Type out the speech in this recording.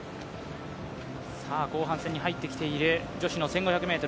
後半戦に入ってきている女子１５００ｍ